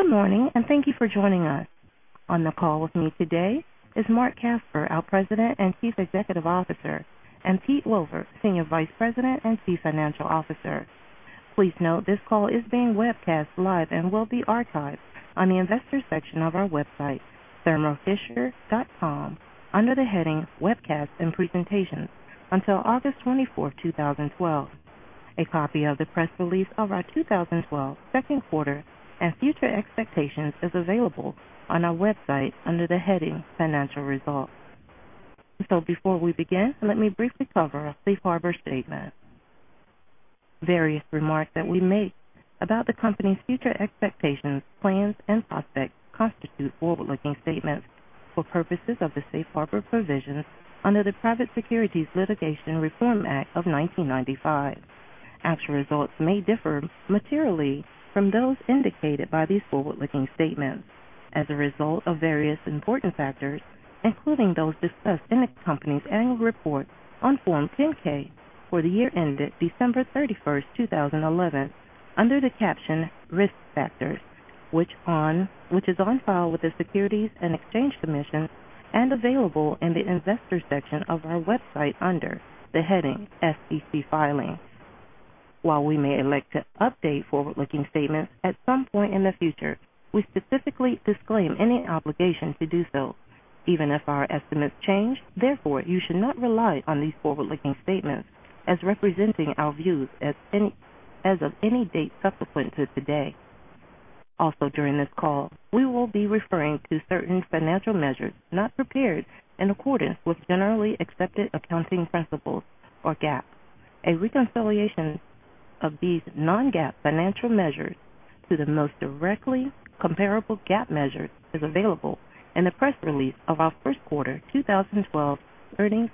Good morning. Thank you for joining us. On the call with me today is Marc Casper, our President and Chief Executive Officer, and Peter Wilver, Senior Vice President and Chief Financial Officer. Please note this call is being webcast live and will be archived on the investor section of our website, thermofisher.com, under the heading Webcasts and Presentations until August 24, 2012. A copy of the press release of our 2012 second quarter and future expectations is available on our website under the heading Financial Results. Before we begin, let me briefly cover our safe harbor statement. Various remarks that we make about the company's future expectations, plans, and prospects constitute forward-looking statements for purposes of the safe harbor provisions under the Private Securities Litigation Reform Act of 1995. Actual results may differ materially from those indicated by these forward-looking statements as a result of various important factors, including those discussed in the company's annual report on Form 10-K for the year ended December 31, 2011, under the caption Risk Factors, which is on file with the Securities and Exchange Commission and available in the Investor section of our website under the heading SEC Filings. While we may elect to update forward-looking statements at some point in the future, we specifically disclaim any obligation to do so, even if our estimates change. Therefore, you should not rely on these forward-looking statements as representing our views as of any date subsequent to today. Also, during this call, we will be referring to certain financial measures not prepared in accordance with generally accepted accounting principles, or GAAP. A reconciliation of these non-GAAP financial measures to the most directly comparable GAAP measure is available in the press release of our first quarter 2012 earnings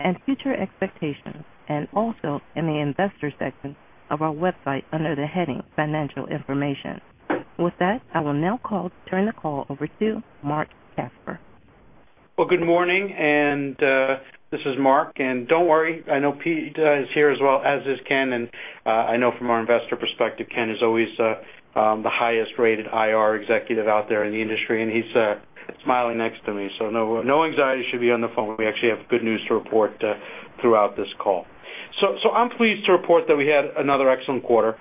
and future expectations and also in the Investor section of our website under the heading Financial Information. I will now turn the call over to Marc Casper. Good morning. This is Marc, and don't worry, I know Pete is here as well, as is Ken. I know from our investor perspective, Ken is always the highest rated IR executive out there in the industry, and he's smiling next to me, so no anxiety should be on the phone. We actually have good news to report throughout this call. I'm pleased to report that we had another excellent quarter,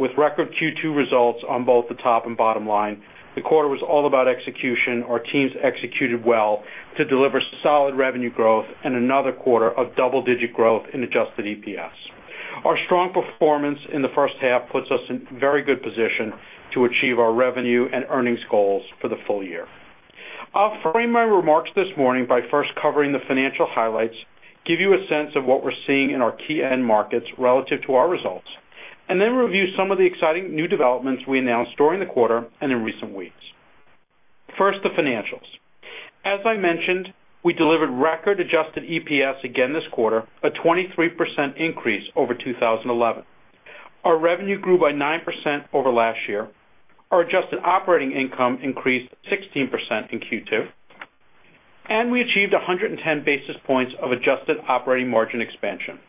with record Q2 results on both the top and bottom line. The quarter was all about execution. Our teams executed well to deliver solid revenue growth and another quarter of double-digit growth in adjusted EPS. Our strong performance in the first half puts us in very good position to achieve our revenue and earnings goals for the full year. I'll frame my remarks this morning by first covering the financial highlights, give you a sense of what we're seeing in our key end markets relative to our results, and then review some of the exciting new developments we announced during the quarter and in recent weeks. First, the financials. As I mentioned, we delivered record adjusted EPS again this quarter, a 23% increase over 2011. Our revenue grew by 9% over last year. Our adjusted operating income increased 16% in Q2, and we achieved 110 basis points of adjusted operating margin expansion.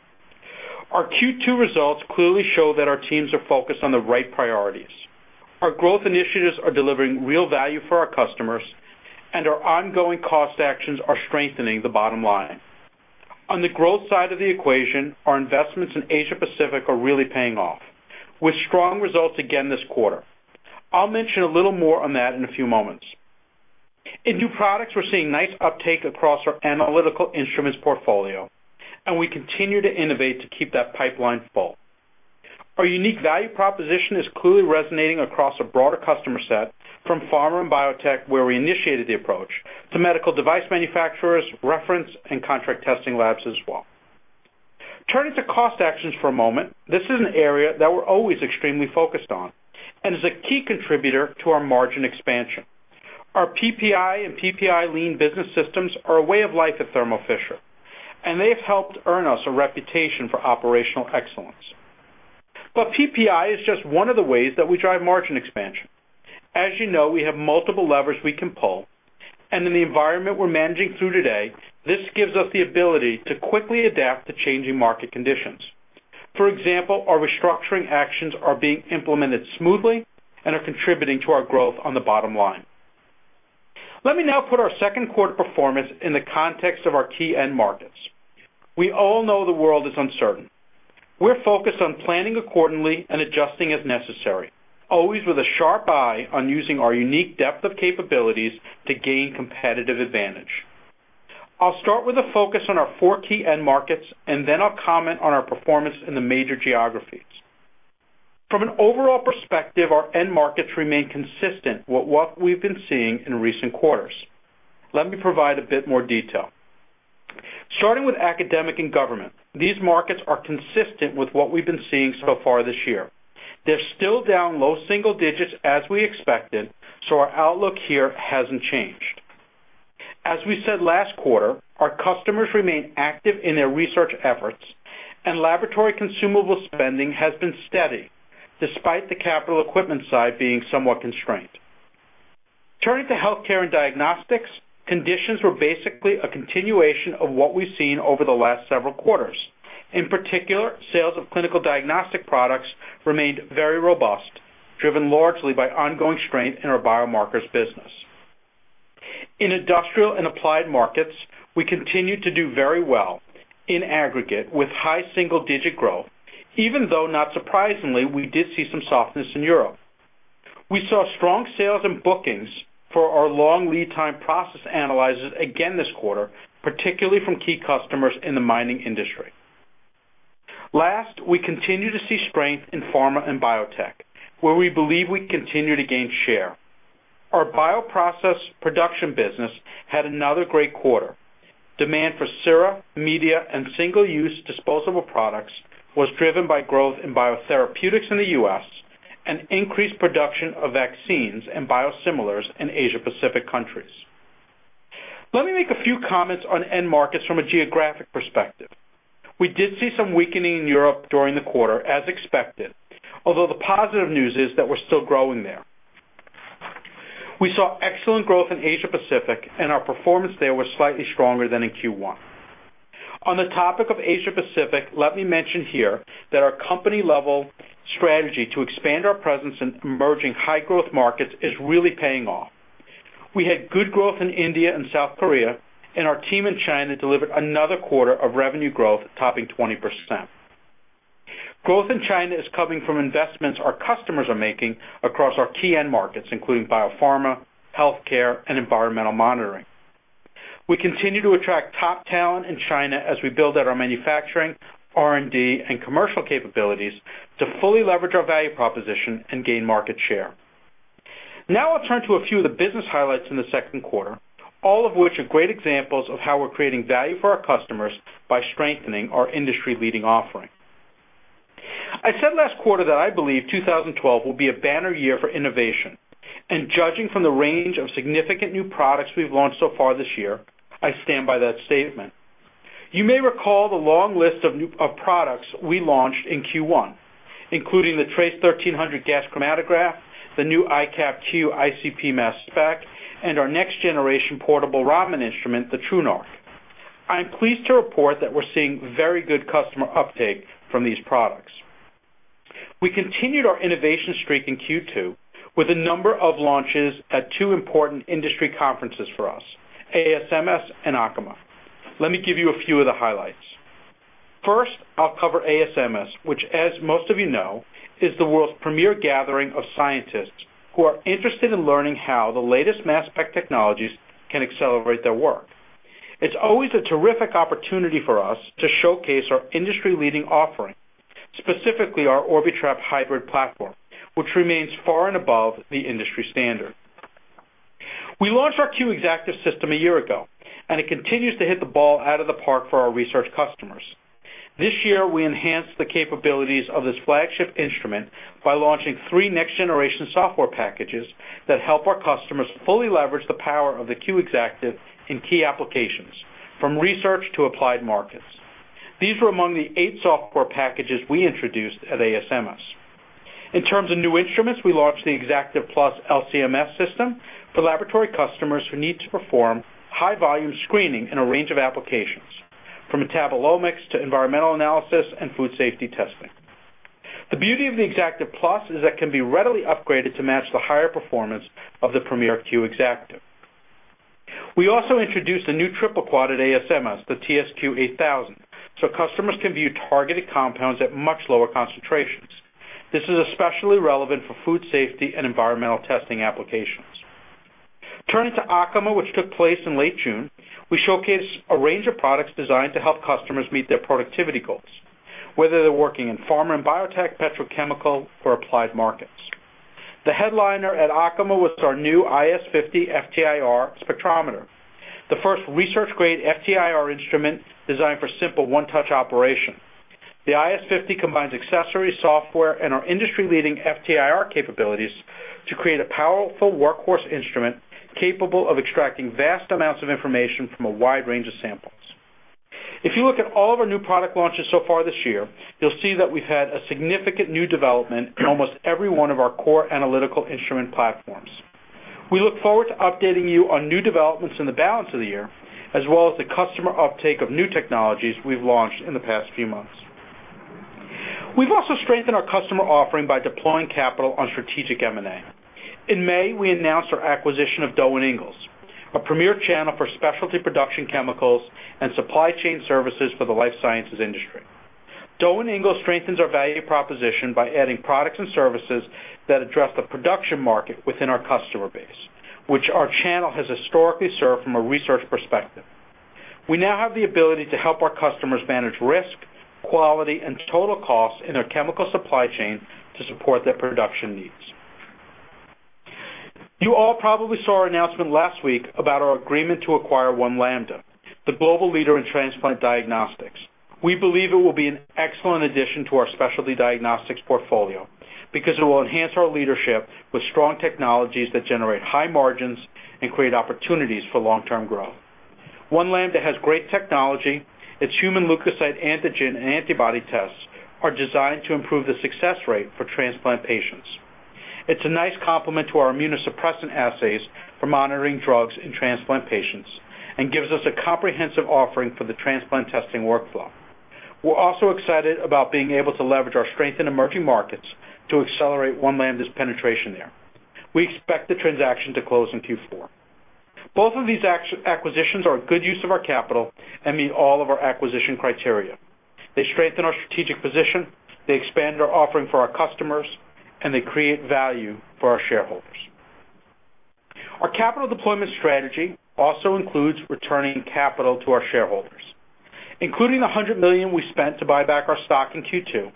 Our Q2 results clearly show that our teams are focused on the right priorities. Our growth initiatives are delivering real value for our customers, and our ongoing cost actions are strengthening the bottom line. On the growth side of the equation, our investments in Asia-Pacific are really paying off with strong results again this quarter. I'll mention a little more on that in a few moments. In new products, we're seeing nice uptake across our analytical instruments portfolio, and we continue to innovate to keep that pipeline full. Our unique value proposition is clearly resonating across a broader customer set from pharma and biotech, where we initiated the approach to medical device manufacturers, reference and contract testing labs as well. Turning to cost actions for a moment. This is an area that we're always extremely focused on and is a key contributor to our margin expansion. Our PPI and PPI Lean business systems are a way of life at Thermo Fisher, and they've helped earn us a reputation for operational excellence. PPI is just one of the ways that we drive margin expansion. As you know, we have multiple levers we can pull, and in the environment we're managing through today, this gives us the ability to quickly adapt to changing market conditions. For example, our restructuring actions are being implemented smoothly and are contributing to our growth on the bottom line. Let me now put our second quarter performance in the context of our key end markets. We all know the world is uncertain. We're focused on planning accordingly and adjusting as necessary, always with a sharp eye on using our unique depth of capabilities to gain competitive advantage. I'll start with a focus on our four key end markets, and then I'll comment on our performance in the major geographies. From an overall perspective, our end markets remain consistent with what we've been seeing in recent quarters. Let me provide a bit more detail. Starting with academic and government, these markets are consistent with what we've been seeing so far this year. They're still down low single digits as we expected, so our outlook here hasn't changed. As we said last quarter, our customers remain active in their research efforts, and laboratory consumable spending has been steady despite the capital equipment side being somewhat constrained. Turning to healthcare and diagnostics, conditions were basically a continuation of what we've seen over the last several quarters. In particular, sales of clinical diagnostic products remained very robust, driven largely by ongoing strength in our biomarkers business. In industrial and applied markets, we continued to do very well in aggregate with high single-digit growth, even though, not surprisingly, we did see some softness in Europe. We saw strong sales and bookings for our long lead time process analyzers again this quarter, particularly from key customers in the mining industry. Last, we continue to see strength in pharma and biotech, where we believe we continue to gain share. Our bioprocess production business had another great quarter. Demand for sera, media, and single-use disposable products was driven by growth in biotherapeutics in the U.S. and increased production of vaccines and biosimilars in Asia Pacific countries. Let me make a few comments on end markets from a geographic perspective. We did see some weakening in Europe during the quarter, as expected, although the positive news is that we're still growing there. We saw excellent growth in Asia Pacific, and our performance there was slightly stronger than in Q1. On the topic of Asia Pacific, let me mention here that our company-level strategy to expand our presence in emerging high-growth markets is really paying off. We had good growth in India and South Korea, and our team in China delivered another quarter of revenue growth topping 20%. Growth in China is coming from investments our customers are making across our key end markets, including biopharma, healthcare, and environmental monitoring. We continue to attract top talent in China as we build out our manufacturing, R&D, and commercial capabilities to fully leverage our value proposition and gain market share. Now I'll turn to a few of the business highlights in the second quarter, all of which are great examples of how we're creating value for our customers by strengthening our industry-leading offering. I said last quarter that I believe 2012 will be a banner year for innovation. Judging from the range of significant new products we've launched so far this year, I stand by that statement. You may recall the long list of products we launched in Q1, including the TRACE 1300 gas chromatograph, the new iCAP Q ICP mass spec, and our next-generation portable Raman instrument, the TruNarc. I'm pleased to report that we're seeing very good customer uptake from these products. We continued our innovation streak in Q2 with a number of launches at two important industry conferences for us, ASMS and ACHEMA. Let me give you a few of the highlights. First, I'll cover ASMS, which as most of you know, is the world's premier gathering of scientists who are interested in learning how the latest mass spec technologies can accelerate their work. It's always a terrific opportunity for us to showcase our industry-leading offering, specifically our Orbitrap hybrid platform, which remains far and above the industry standard. We launched our Q Exactive system a year ago. It continues to hit the ball out of the park for our research customers. This year, we enhanced the capabilities of this flagship instrument by launching three next-generation software packages that help our customers fully leverage the power of the Q Exactive in key applications, from research to applied markets. These were among the eight software packages we introduced at ASMS. In terms of new instruments, we launched the Exactive Plus LC-MS system for laboratory customers who need to perform high-volume screening in a range of applications, from metabolomics to environmental analysis and food safety testing. The beauty of the Exactive Plus is that it can be readily upgraded to match the higher performance of the premier Q Exactive. We also introduced a new triple quad at ASMS, the TSQ 8000. Customers can view targeted compounds at much lower concentrations. This is especially relevant for food safety and environmental testing applications. Turning to ACHEMA, which took place in late June, we showcased a range of products designed to help customers meet their productivity goals, whether they're working in pharma and biotech, petrochemical, or applied markets. The headliner at ACHEMA was our new iS50 FT-IR spectrometer, the first research-grade FT-IR instrument designed for simple one-touch operation. The iS50 combines accessories, software, and our industry-leading FT-IR capabilities to create a powerful workhorse instrument capable of extracting vast amounts of information from a wide range of samples. If you look at all of our new product launches so far this year, you'll see that we've had a significant new development in almost every one of our core analytical instrument platforms. We look forward to updating you on new developments in the balance of the year, as well as the customer uptake of new technologies we've launched in the past few months. We've also strengthened our customer offering by deploying capital on strategic M&A. In May, we announced our acquisition of Doe & Ingalls, a premier channel for specialty production chemicals and supply chain services for the life sciences industry. Doe & Ingalls strengthens our value proposition by adding products and services that address the production market within our customer base, which our channel has historically served from a research perspective. We now have the ability to help our customers manage risk, quality, and total cost in their chemical supply chain to support their production needs. You all probably saw our announcement last week about our agreement to acquire One Lambda, the global leader in transplant diagnostics. We believe it will be an excellent addition to our Specialty Diagnostics portfolio because it will enhance our leadership with strong technologies that generate high margins and create opportunities for long-term growth. One Lambda has great technology. Its human leukocyte antigen and antibody tests are designed to improve the success rate for transplant patients. It's a nice complement to our immunosuppressant assays for monitoring drugs in transplant patients and gives us a comprehensive offering for the transplant testing workflow. We're also excited about being able to leverage our strength in emerging markets to accelerate One Lambda's penetration there. We expect the transaction to close in Q4. Both of these acquisitions are a good use of our capital and meet all of our acquisition criteria. They strengthen our strategic position, they expand our offering for our customers, and they create value for our shareholders. Our capital deployment strategy also includes returning capital to our shareholders. Including the $100 million we spent to buy back our stock in Q2,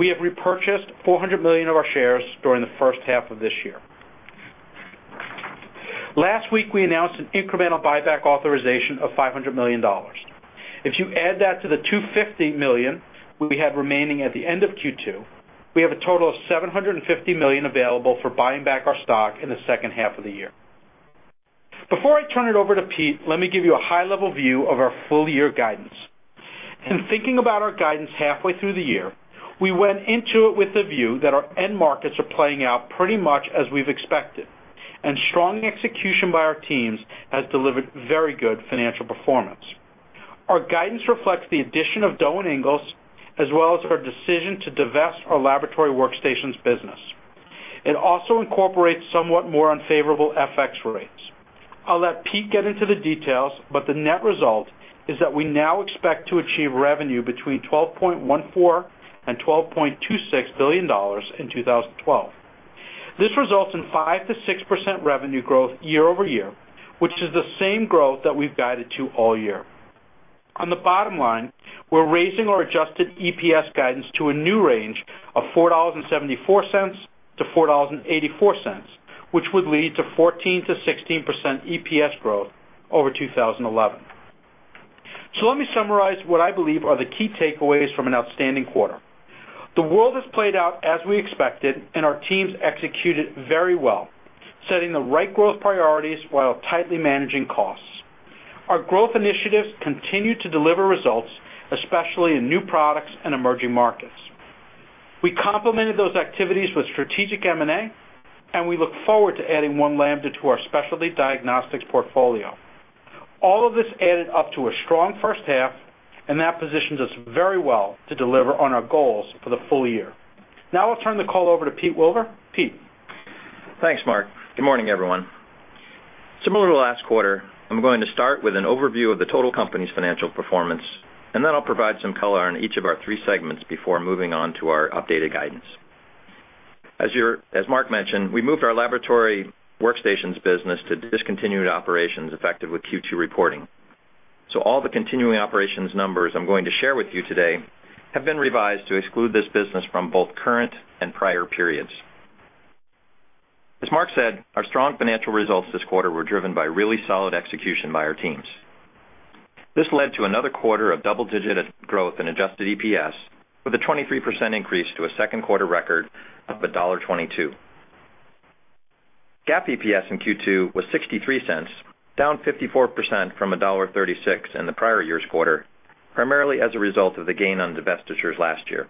we have repurchased $400 million of our shares during the first half of this year. Last week, we announced an incremental buyback authorization of $500 million. If you add that to the $250 million we had remaining at the end of Q2, we have a total of $750 million available for buying back our stock in the second half of the year. Before I turn it over to Pete, let me give you a high-level view of our full-year guidance. In thinking about our guidance halfway through the year, we went into it with the view that our end markets are playing out pretty much as we've expected, and strong execution by our teams has delivered very good financial performance. Our guidance reflects the addition of Doe & Ingalls, as well as our decision to divest our laboratory workstations business. It also incorporates somewhat more unfavorable FX rates. I'll let Pete Wilver get into the details, but the net result is that we now expect to achieve revenue between $12.14 billion-$12.26 billion in 2012. This results in 5%-6% revenue growth year-over-year, which is the same growth that we've guided to all year. On the bottom line, we're raising our adjusted EPS guidance to a new range of $4.74-$4.84, which would lead to 14%-16% EPS growth over 2011. Let me summarize what I believe are the key takeaways from an outstanding quarter. The world has played out as we expected, and our teams executed very well, setting the right growth priorities while tightly managing costs. Our growth initiatives continue to deliver results, especially in new products and emerging markets. We complemented those activities with strategic M&A, and we look forward to adding One Lambda to our Specialty Diagnostics portfolio. All of this added up to a strong first half, and that positions us very well to deliver on our goals for the full year. Now I'll turn the call over to Pete Wilver. Pete? Thanks, Marc. Good morning, everyone. Similar to last quarter, I'm going to start with an overview of the total company's financial performance, and then I'll provide some color on each of our three segments before moving on to our updated guidance. As Marc mentioned, we moved our laboratory workstations business to discontinued operations effective with Q2 reporting. All the continuing operations numbers I'm going to share with you today have been revised to exclude this business from both current and prior periods. As Marc said, our strong financial results this quarter were driven by really solid execution by our teams. This led to another quarter of double-digit growth in adjusted EPS with a 23% increase to a second quarter record of $1.22. GAAP EPS in Q2 was $0.63, down 54% from $1.36 in the prior year's quarter, primarily as a result of the gain on divestitures last year.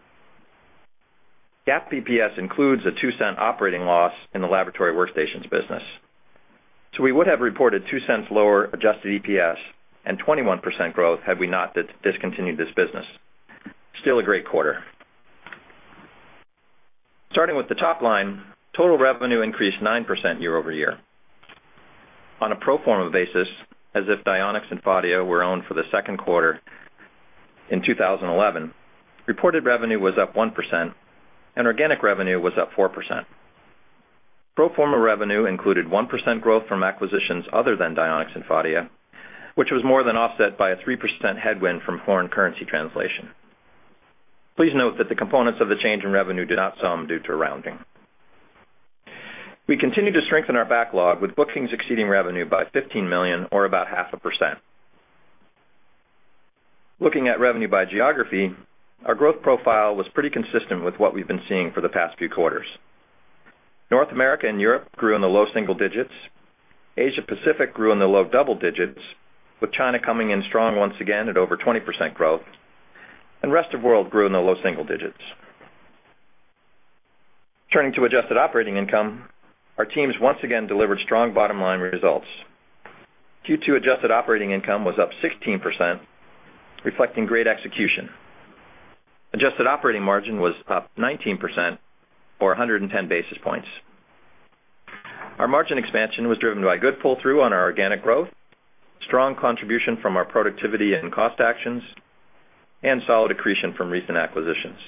GAAP EPS includes a $0.02 operating loss in the laboratory workstations business. We would have reported $0.02 lower adjusted EPS and 21% growth had we not discontinued this business. Still a great quarter. The top line, total revenue increased 9% year-over-year. On a pro forma basis, as if Dionex and Phadia were owned for the second quarter in 2011, reported revenue was up 1% and organic revenue was up 4%. Pro forma revenue included 1% growth from acquisitions other than Dionex and Phadia, which was more than offset by a 3% headwind from foreign currency translation. Please note that the components of the change in revenue do not sum due to rounding. We continue to strengthen our backlog with bookings exceeding revenue by $15 million or about half a %. Looking at revenue by geography, our growth profile was pretty consistent with what we've been seeing for the past few quarters. North America and Europe grew in the low single digits. Asia Pacific grew in the low double digits, with China coming in strong once again at over 20% growth. Rest of world grew in the low single digits. Turning to adjusted operating income, our teams once again delivered strong bottom-line results. Q2 adjusted operating income was up 16%, reflecting great execution. Adjusted operating margin was up 19% or 110 basis points. Our margin expansion was driven by good pull-through on our organic growth, strong contribution from our productivity and cost actions, and solid accretion from recent acquisitions.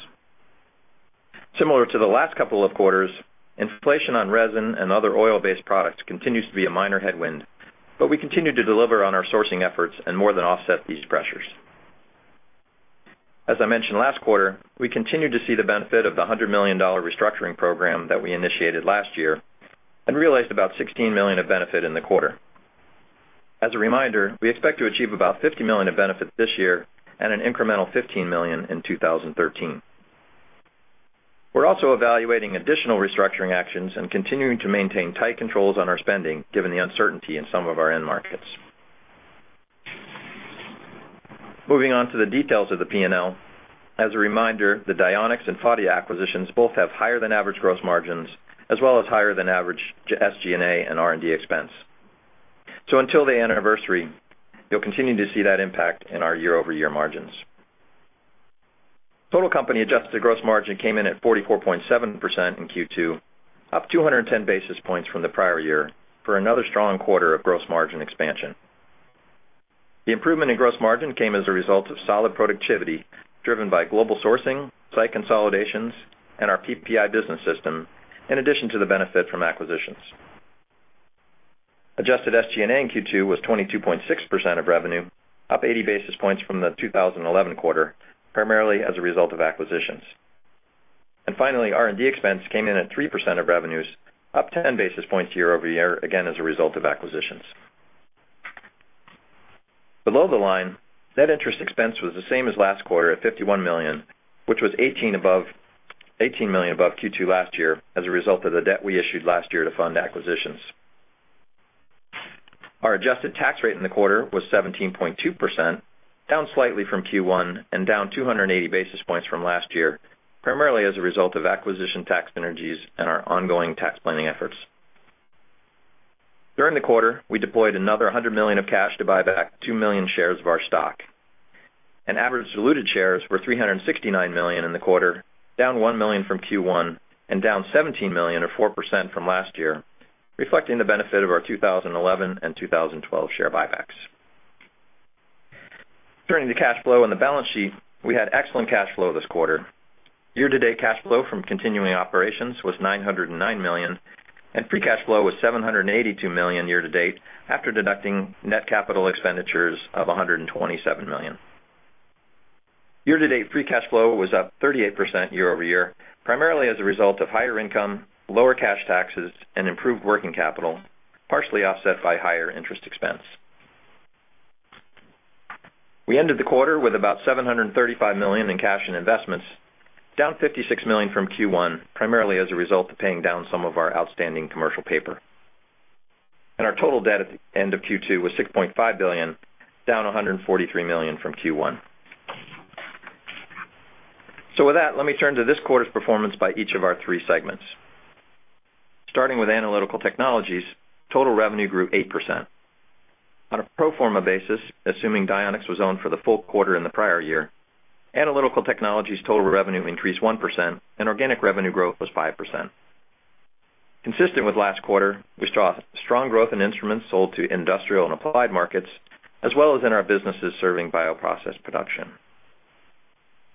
Similar to the last couple of quarters, inflation on resin and other oil-based products continues to be a minor headwind. We continue to deliver on our sourcing efforts and more than offset these pressures. As I mentioned last quarter, we continue to see the benefit of the $100 million restructuring program that we initiated last year and realized about $16 million of benefit in the quarter. As a reminder, we expect to achieve about $50 million of benefits this year and an incremental $15 million in 2013. We're also evaluating additional restructuring actions and continuing to maintain tight controls on our spending, given the uncertainty in some of our end markets. Moving on to the details of the P&L. As a reminder, the Dionex and Phadia acquisitions both have higher than average gross margins as well as higher than average SG&A and R&D expense. Until they anniversary, you'll continue to see that impact in our year-over-year margins. Total company adjusted gross margin came in at 44.7% in Q2, up 210 basis points from the prior year, for another strong quarter of gross margin expansion. The improvement in gross margin came as a result of solid productivity driven by global sourcing, site consolidations, and our PPI business system, in addition to the benefit from acquisitions. Adjusted SG&A in Q2 was 22.6% of revenue, up 80 basis points from the 2011 quarter, primarily as a result of acquisitions. Finally, R&D expense came in at 3% of revenues, up 10 basis points year-over-year, again, as a result of acquisitions. Below the line, net interest expense was the same as last quarter at $51 million, which was $18 million above Q2 last year as a result of the debt we issued last year to fund acquisitions. Our adjusted tax rate in the quarter was 17.2%, down slightly from Q1 and down 280 basis points from last year, primarily as a result of acquisition tax synergies and our ongoing tax planning efforts. During the quarter, we deployed another $100 million of cash to buy back 2 million shares of our stock. Average diluted shares were 369 million in the quarter, down 1 million from Q1 and down 17 million or 4% from last year, reflecting the benefit of our 2011 and 2012 share buybacks. Turning to cash flow and the balance sheet. We had excellent cash flow this quarter. Year-to-date cash flow from continuing operations was $909 million, and free cash flow was $782 million year to date after deducting net capital expenditures of $127 million. Year to date free cash flow was up 38% year-over-year, primarily as a result of higher income, lower cash taxes, and improved working capital, partially offset by higher interest expense. We ended the quarter with about $735 million in cash and investments, down $56 million from Q1 primarily as a result of paying down some of our outstanding commercial paper. Our total debt at the end of Q2 was $6.5 billion, down $143 million from Q1. With that, let me turn to this quarter's performance by each of our three segments. Starting with Analytical Technologies, total revenue grew 8%. On a pro forma basis, assuming Dionex was owned for the full quarter in the prior year, Analytical Technologies total revenue increased 1%, and organic revenue growth was 5%. Consistent with last quarter, we saw strong growth in instruments sold to industrial and applied markets, as well as in our businesses serving bioprocess production.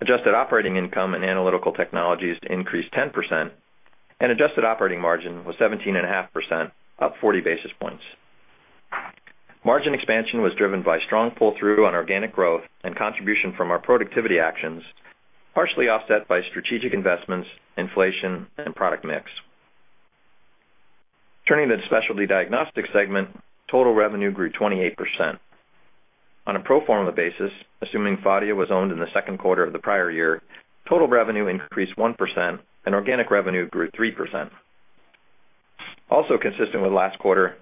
Adjusted operating income in Analytical Technologies increased 10%, and adjusted operating margin was 17.5%, up 40 basis points. Margin expansion was driven by strong pull-through on organic growth and contribution from our productivity actions, partially offset by strategic investments, inflation, and product mix. Turning to the Specialty Diagnostics segment, total revenue grew 28%. On a pro forma basis, assuming Phadia was owned in the second quarter of the prior year, total revenue increased 1%, and organic revenue grew 3%. Also consistent with last quarter,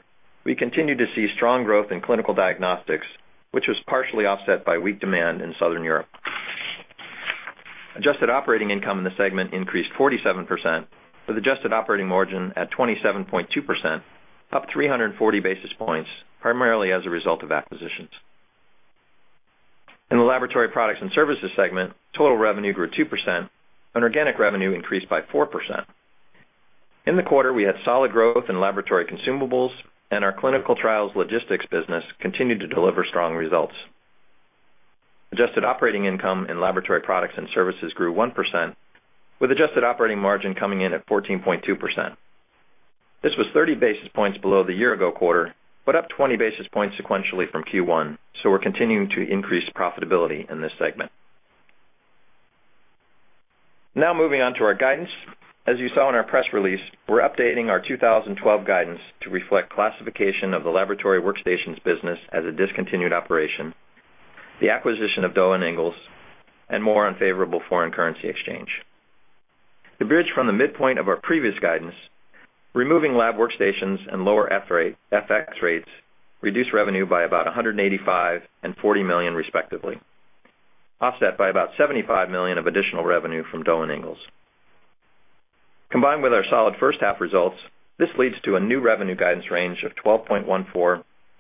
we continued to see strong growth in clinical diagnostics, which was partially offset by weak demand in Southern Europe. Adjusted operating income in the segment increased 47%, with adjusted operating margin at 27.2%, up 340 basis points, primarily as a result of acquisitions. In the Laboratory Products and Services segment, total revenue grew 2%, and organic revenue increased by 4%. In the quarter, we had solid growth in laboratory consumables and our clinical trials logistics business continued to deliver strong results. Adjusted operating income in Laboratory Products and Services grew 1%, with adjusted operating margin coming in at 14.2%. This was 30 basis points below the year ago quarter, but up 20 basis points sequentially from Q1. We're continuing to increase profitability in this segment. Moving on to our guidance. As you saw in our press release, we're updating our 2012 guidance to reflect classification of the laboratory workstations business as a discontinued operation, the acquisition of Doe & Ingalls, and more unfavorable foreign currency exchange. To bridge from the midpoint of our previous guidance, removing laboratory workstations and lower FX rates reduced revenue by about $185 million and $40 million respectively, offset by about $75 million of additional revenue from Doe & Ingalls. Combined with our solid first half results, this leads to a new revenue guidance range of $12.14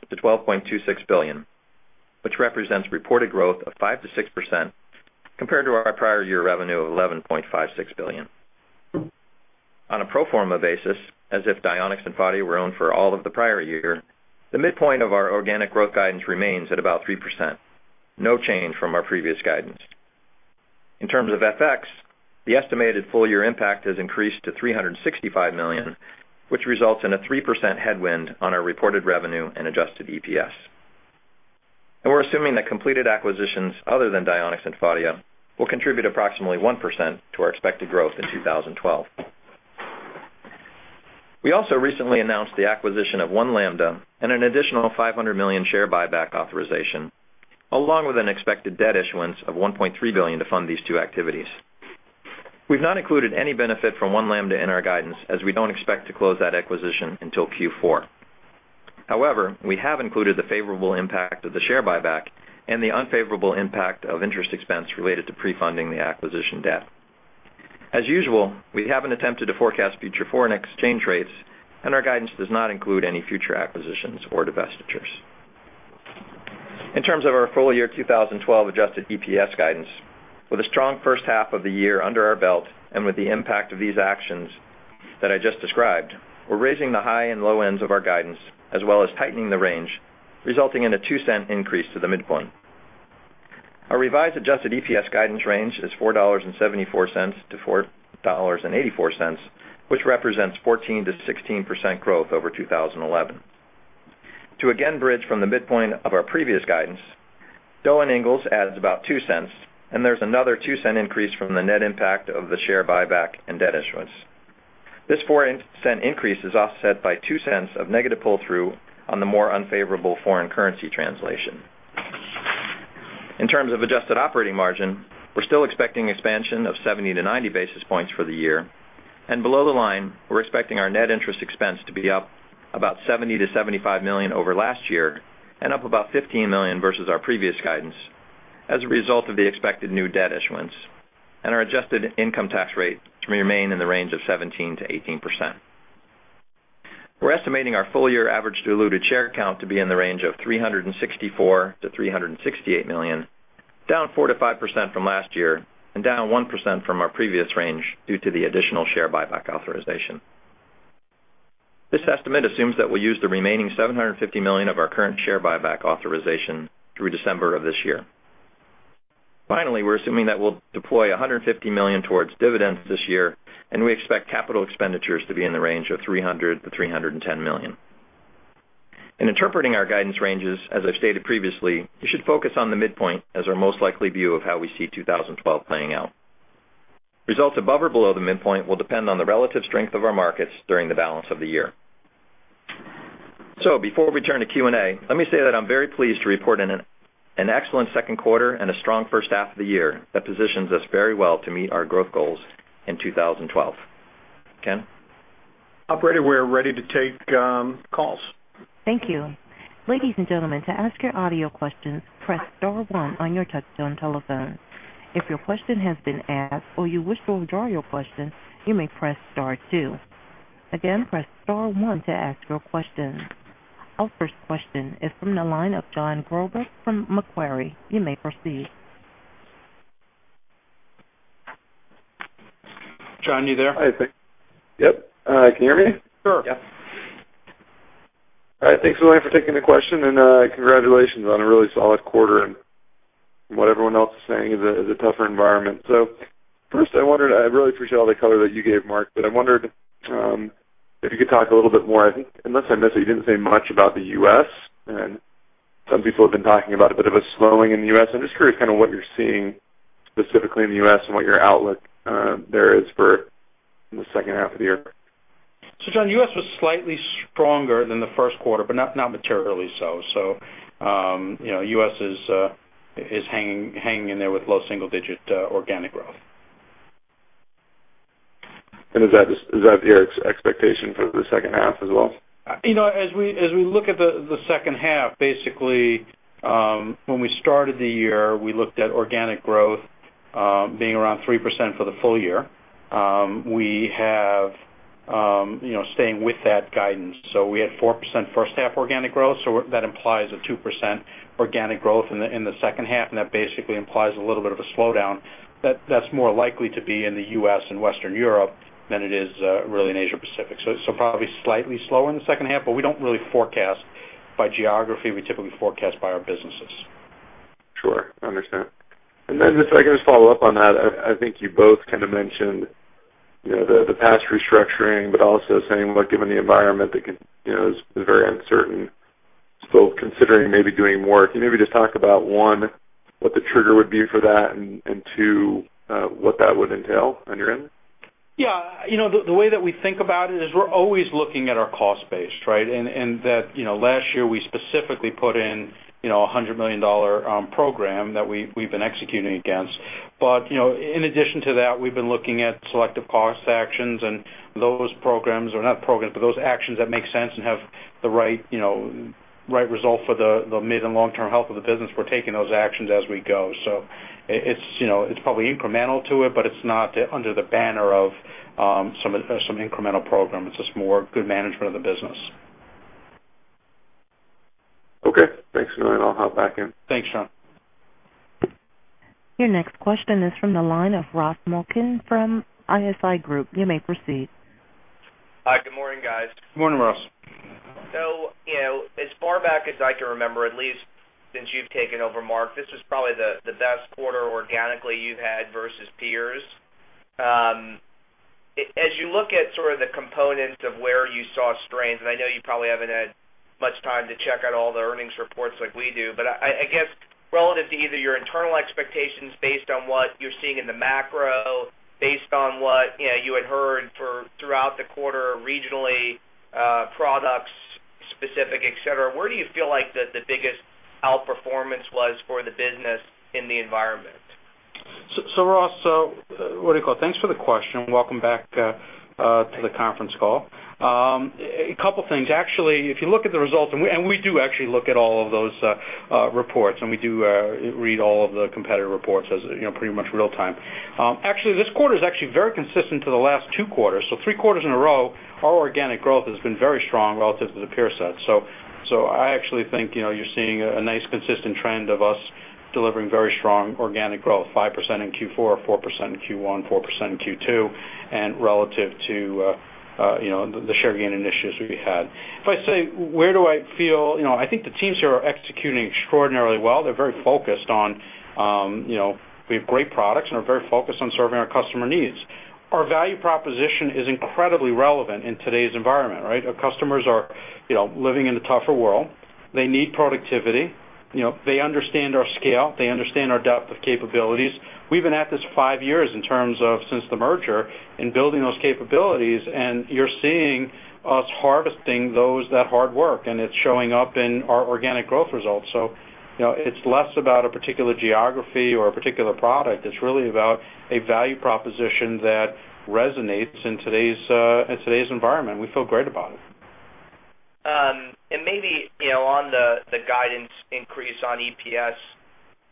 billion-$12.26 billion, which represents reported growth of 5%-6% compared to our prior year revenue of $11.56 billion. On a pro forma basis, as if Dionex and Phadia were owned for all of the prior year, the midpoint of our organic growth guidance remains at about 3%, no change from our previous guidance. In terms of FX, the estimated full year impact has increased to $365 million, which results in a 3% headwind on our reported revenue and adjusted EPS. We're assuming that completed acquisitions other than Dionex and Phadia will contribute approximately 1% to our expected growth in 2012. We also recently announced the acquisition of One Lambda and an additional $500 million share buyback authorization, along with an expected debt issuance of $1.3 billion to fund these two activities. We've not included any benefit from One Lambda in our guidance, as we don't expect to close that acquisition until Q4. However, we have included the favorable impact of the share buyback and the unfavorable impact of interest expense related to pre-funding the acquisition debt. As usual, we haven't attempted to forecast future foreign exchange rates, and our guidance does not include any future acquisitions or divestitures. In terms of our full year 2012 adjusted EPS guidance, with a strong first half of the year under our belt and with the impact of these actions that I just described, we're raising the high and low ends of our guidance, as well as tightening the range, resulting in a $0.02 increase to the midpoint. Our revised adjusted EPS guidance range is $4.74 to $4.84, which represents 14%-16% growth over 2011. To again bridge from the midpoint of our previous guidance, Doe & Ingalls adds about $0.02, and there's another $0.02 increase from the net impact of the share buyback and debt issuance. This $0.04 increase is offset by $0.02 of negative pull-through on the more unfavorable foreign currency translation. In terms of adjusted operating margin, we're still expecting expansion of 70 to 90 basis points for the year. Below the line, we're expecting our net interest expense to be up about $70 million to $75 million over last year, and up about $15 million versus our previous guidance as a result of the expected new debt issuance. Our adjusted income tax rate to remain in the range of 17%-18%. We're estimating our full-year average diluted share count to be in the range of 364 million to 368 million, down 4%-5% from last year and down 1% from our previous range due to the additional share buyback authorization. This estimate assumes that we'll use the remaining $750 million of our current share buyback authorization through December of this year. Finally, we're assuming that we'll deploy $150 million towards dividends this year, and we expect capital expenditures to be in the range of $300 million to $310 million. In interpreting our guidance ranges, as I've stated previously, you should focus on the midpoint as our most likely view of how we see 2012 playing out. Results above or below the midpoint will depend on the relative strength of our markets during the balance of the year. Before we turn to Q&A, let me say that I'm very pleased to report an excellent second quarter and a strong first half of the year that positions us very well to meet our growth goals in 2012. Ken? Operator, we're ready to take calls. Thank you. Ladies and gentlemen, to ask your audio questions, press star one on your touchtone telephone. If your question has been asked or you wish to withdraw your question, you may press star two. Again, press star one to ask your question. Our first question is from the line of Jonathan Groberg from Macquarie. You may proceed. John, you there? Hi. Yep. Can you hear me? Sure. Yes. All right. Thanks for taking the question, and congratulations on a really solid quarter, and what everyone else is saying is a tougher environment. First, I really appreciate all the color that you gave, Marc, but I wondered if you could talk a little bit more. I think, unless I missed it, you didn't say much about the U.S., and some people have been talking about a bit of a slowing in the U.S. I'm just curious kind of what you're seeing specifically in the U.S. and what your outlook there is for the second half of the year. Jon, the U.S. was slightly stronger than the 1st quarter, but not materially so. U.S. is hanging in there with low single-digit organic growth. Is that your expectation for the second half as well? As we look at the second half, basically, when we started the year, we looked at organic growth being around 3% for the full year. We are staying with that guidance. We had 4% 1st half organic growth, so that implies a 2% organic growth in the second half, and that basically implies a little bit of a slowdown. That's more likely to be in the U.S. and Western Europe than it is really in Asia Pacific. Probably slightly slower in the second half, but we don't really forecast by geography. We typically forecast by our businesses. Sure. Understand. If I can just follow up on that, I think you both kind of mentioned the past restructuring, also saying, look, given the environment is very uncertain, considering maybe doing more. Can you maybe just talk about, one, what the trigger would be for that, and two, what that would entail on your end? Yeah. The way that we think about it is we're always looking at our cost base, right? Last year, we specifically put in a $100 million program that we've been executing against. In addition to that, we've been looking at selective cost actions, and those programs, or not programs, but those actions that make sense and have the right result for the mid and long-term health of the business, we're taking those actions as we go. It's probably incremental to it, but it's not under the banner of some incremental program. It's just more good management of the business. Okay. Thanks. I'll hop back in. Thanks, Jon. Your next question is from the line of Ross Muken from ISI Group. You may proceed. Hi. Good morning, guys. Good morning, Ross. As far back as I can remember, at least since you've taken over, Marc, this was probably the best quarter organically you've had versus peers. As you look at sort of the components of where you saw strains, and I know you probably haven't had much time to check out all the earnings reports like we do. I guess relative to either your internal expectations based on what you're seeing in the macro, based on what you had heard throughout the quarter, regionally, products specific, et cetera, where do you feel like the biggest outperformance was for the business in the environment? Ross, what do you call? Thanks for the question. Welcome back to the conference call. A couple things. If you look at the results, and we do actually look at all of those reports, and we do read all of the competitor reports as pretty much real time. This quarter is actually very consistent to the last two quarters. Three quarters in a row, our organic growth has been very strong relative to the peer set. I actually think you're seeing a nice consistent trend of us delivering very strong organic growth, 5% in Q4, 4% in Q1, 4% in Q2, and relative to the share gain initiatives we had. If I say where do I feel, I think the teams here are executing extraordinarily well. They're very focused on, we have great products, and are very focused on serving our customer needs. Our value proposition is incredibly relevant in today's environment, right? Our customers are living in a tougher world. They need productivity. They understand our scale. They understand our depth of capabilities. We've been at this five years in terms of since the merger in building those capabilities, and you're seeing us harvesting those, that hard work, and it's showing up in our organic growth results. It's less about a particular geography or a particular product. It's really about a value proposition that resonates in today's environment. We feel great about it. Maybe, on the guidance increase on EPS.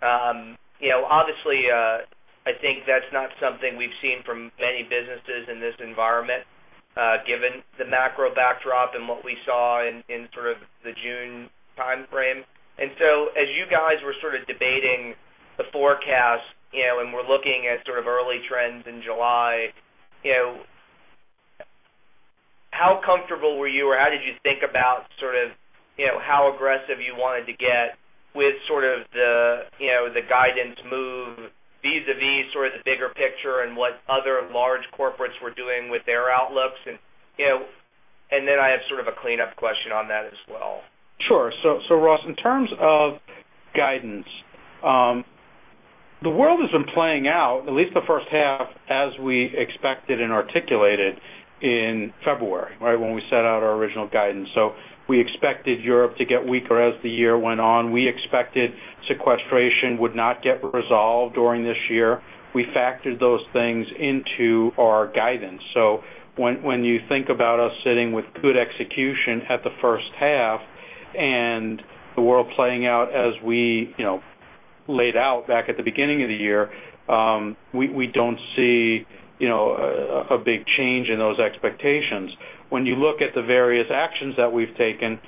Obviously, I think that's not something we've seen from many businesses in this environment, given the macro backdrop and what we saw in sort of the June timeframe. As you guys were sort of debating the forecast, and we're looking at sort of early trends in July, how comfortable were you or how did you think about sort of how aggressive you wanted to get with sort of the guidance move vis-a-vis sort of the bigger picture and what other large corporates were doing with their outlooks and then I have sort of a cleanup question on that as well. Sure. Ross, in terms of guidance, the world has been playing out at least the first half as we expected and articulated in February, right? When we set out our original guidance. We expected Europe to get weaker as the year went on. We expected sequestration would not get resolved during this year. We factored those things into our guidance. When you think about us sitting with good execution at the first half and the world playing out as we laid out back at the beginning of the year, we don't see a big change in those expectations. When you look at the various actions that we've taken,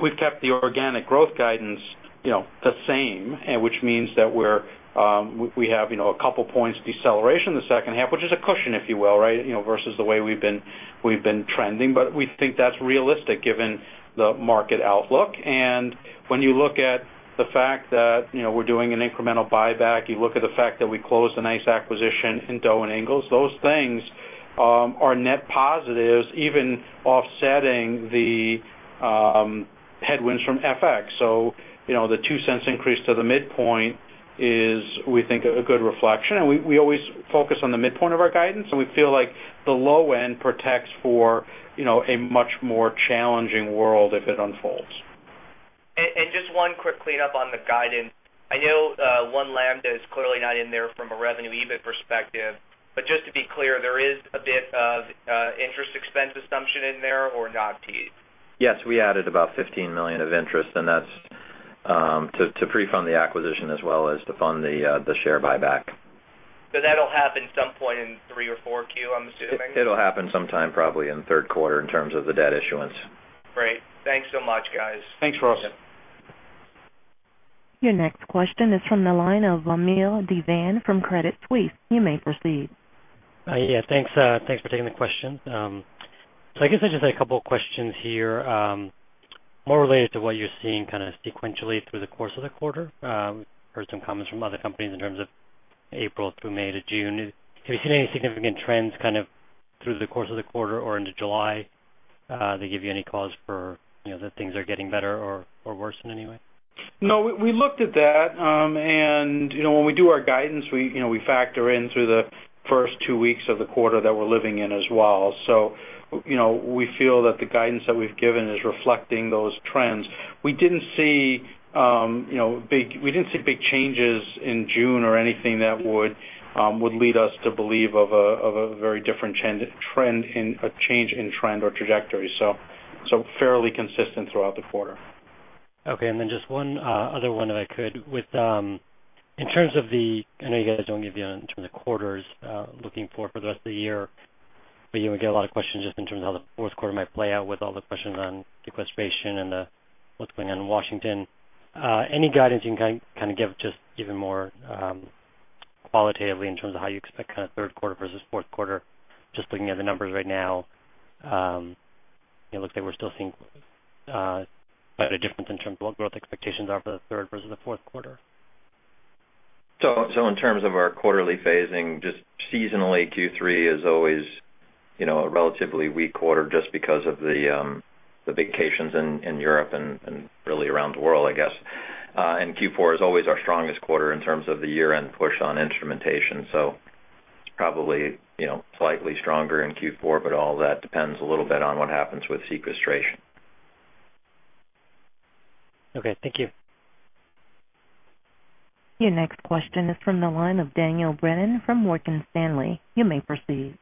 we've kept the organic growth guidance the same, which means that we have a couple points deceleration in the second half, which is a cushion, if you will, right? Versus the way we've been trending, we think that's realistic given the market outlook. When you look at the fact that we're doing an incremental buyback, you look at the fact that we closed a nice acquisition in Doe & Ingalls, those things are net positives, even offsetting the headwinds from FX. The $0.02 increase to the midpoint is we think a good reflection. We always focus on the midpoint of our guidance, and we feel like the low end protects for a much more challenging world if it unfolds. Just one quick cleanup on the guidance. I know One Lambda is clearly not in there from a revenue EBIT perspective, but just to be clear, there is a bit of interest expense assumption in there or not, Pete? Yes, we added about $15 million of interest, that's to pre-fund the acquisition as well as to fund the share buyback. That'll happen some point in 3 or 4 Q, I'm assuming. It'll happen sometime probably in the third quarter in terms of the debt issuance. Great. Thanks so much, guys. Thanks, Ross. Yep. Your next question is from the line of Amiel Divan from Credit Suisse. You may proceed. Yeah, thanks for taking the question. I guess I just had 2 questions here, more related to what you're seeing kind of sequentially through the course of the quarter. Heard some comments from other companies in terms of April through May to June. Have you seen any significant trends kind of through the course of the quarter or into July that give you any cause for that things are getting better or worse in any way? No, we looked at that. When we do our guidance, we factor in through the first 2 weeks of the quarter that we're living in as well. We feel that the guidance that we've given is reflecting those trends. We didn't see big changes in June or anything that would lead us to believe of a very different change in trend or trajectory. Fairly consistent throughout the quarter. Okay. Just 1 other one if I could. In terms of the, I know you guys don't give in terms of quarters looking forward for the rest of the year, you get a lot of questions just in terms of how the fourth quarter might play out with all the questions on sequestration and what's going on in Washington. Any guidance you can kind of give just even more qualitatively in terms of how you expect kind of third quarter versus fourth quarter, just looking at the numbers right now, it looks like we're still seeing quite a difference in terms of what growth expectations are for the third versus the fourth quarter. In terms of our quarterly phasing, just seasonally, Q3 is always a relatively weak quarter just because of the vacations in Europe and really around the world, I guess. Q4 is always our strongest quarter in terms of the year-end push on instrumentation, probably slightly stronger in Q4. All that depends a little bit on what happens with sequestration. Okay, thank you. Your next question is from the line of Dan Brennan from Morgan Stanley. You may proceed.